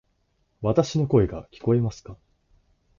わたし（の声）が聞こえますか？